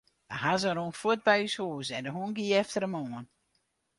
De hazze rûn fuort by ús hús en de hûn gie efter him oan.